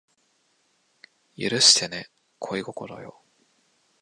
許してね恋心よ